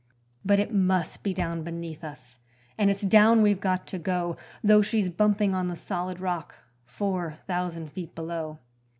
But it must be down beneath us, and it's down we've got to go, Though she's bumping on the solid rock four thousand feet below.